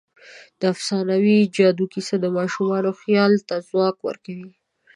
د افسانوي جادو کیسه د ماشومانو خیال ته ځواک ورکوي.